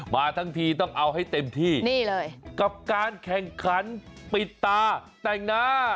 มาทั้งทีต้องเอาให้เต็มที่นี่เลยกับการแข่งขันปิดตาแต่งหน้า